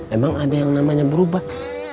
emang ada yang namanya berubah